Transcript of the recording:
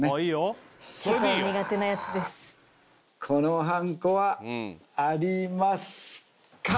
このはんこはありますか？